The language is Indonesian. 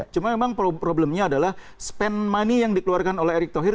cuma memang problemnya adalah spend money yang dikeluarkan oleh erick thohir